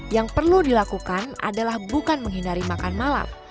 yang perlu dilakukan adalah bukan menghindari makan malam